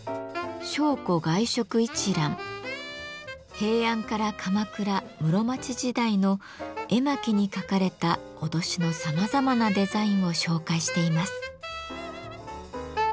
平安から鎌倉・室町時代の絵巻にかかれた威しのさまざまなデザインを紹介しています。